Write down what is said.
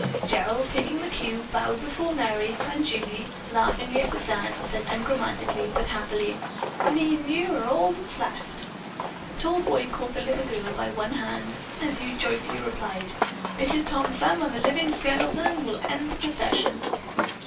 Gerald, taking the cue, bowed before Merry and Julie, laughing up at Dan, said ungrammatically but happily: "Me'n you are all that's left." The tall boy caught the little girl by one hand as he joyfully replied: "Mrs. Tom Thumb and The Living Skeleton will end the procession."